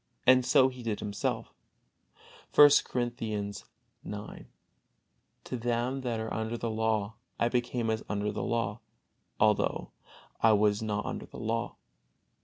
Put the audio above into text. And so he did himself, I. Corinthians ix: "To them that are under the law, I became as under the law, although I was not under the law."